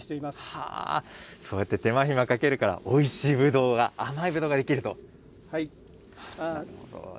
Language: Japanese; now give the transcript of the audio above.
はぁ、そうやって手間暇かけるから、おいしいぶどうが、甘いはい。